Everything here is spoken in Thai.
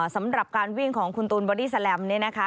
สำหรับการวิ่งของคุณตูนวันนี้นะคะ